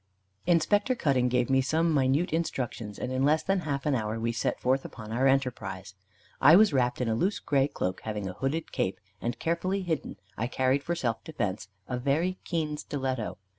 Inspector Cutting gave me some minute instructions, and in less than half an hour we set forth upon our enterprise. I was wrapped in a loose grey cloak having a hooded cape; and carefully hidden I carried for self defence a very keen stiletto.